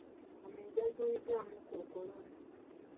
Omulenzi yazuuliddwamu kkookolo.